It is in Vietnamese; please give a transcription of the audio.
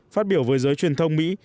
phát biểu với giới truyền thông mỹ